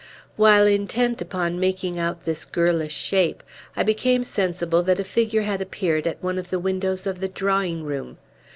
While intent upon making out this girlish shape, I became sensible that a figure had appeared at one of the windows of the drawing room.